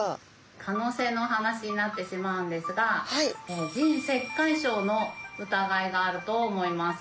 可能性の話になってしまうんですが腎石灰症の疑いがあると思います。